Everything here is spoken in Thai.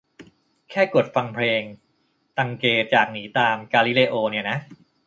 แค่กดฟังเพลง "ตังเก" จาก "หนีตามกาลิเลโอ" เนี่ยนะ